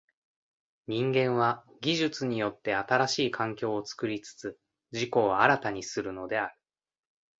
人間は技術によって新しい環境を作りつつ自己を新たにするのである。